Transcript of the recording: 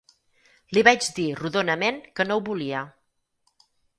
Li vaig dir rodonament que no ho volia.